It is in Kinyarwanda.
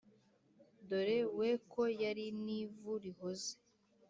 dore we ko yari n’ivu rihoze